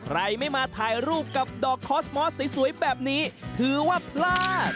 ใครไม่มาถ่ายรูปกับดอกคอสมอสสวยแบบนี้ถือว่าพลาด